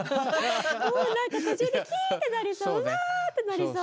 なんか途中でキーってなりそううわってなりそう。